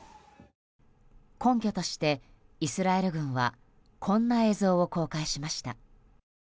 根拠として、イスラエル軍はこんな映像を公開しました。